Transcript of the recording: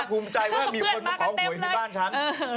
มากภูมิใจว่ามีคนของหวยในบ้านฉัน